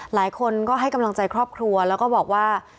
หลายคนก็ให้กำลังใจครอบครัวแล้วก็บอกว่า